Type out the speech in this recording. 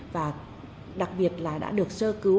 và đặc biệt là đã được sơ cứu